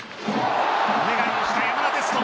お願いをした山田哲人。